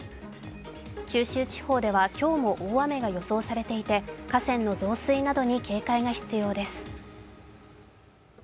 九州地方では今日も大雨が予想されていて河川の増水などに警戒が必要です。